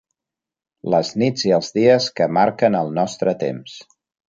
Les nits i els dies que marquen el nostre temps.